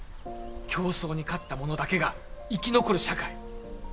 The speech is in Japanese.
競争に勝ったものだけが生き残る社会。